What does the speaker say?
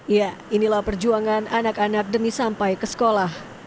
ya inilah perjuangan anak anak demi sampai ke sekolah